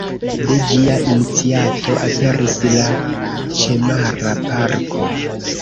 De ĝia iniciato aperis la ĉemara parko.